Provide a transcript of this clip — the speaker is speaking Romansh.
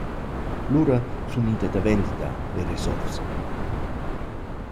Lura suna ida davent da Beresowsk.